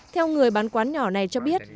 theo người bán quán nhỏ này cho biết